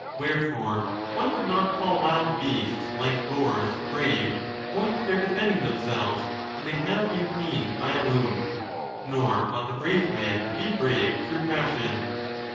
Wherefore one would not call wild beasts like boars brave, owing to their defending themselves when they have been pained by a wound, nor ought the brave man to be brave through passion.